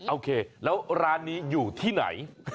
โอเคแล้วร้านนี้อยู่ที่ไหน